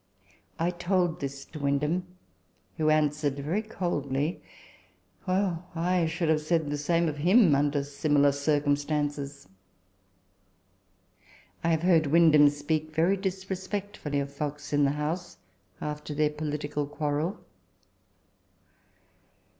I told this to Windham, who answered very coldly, "Well, I should have said the same of him under similar circumstances." I have heard Windham speak very disrespectfully of Fox in the House, after their political quarrel.